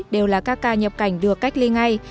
đều là các ca nhập cảnh được cách ly ngay